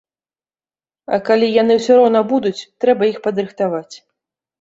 А калі яны ўсё роўна будуць, трэба іх падрыхтаваць.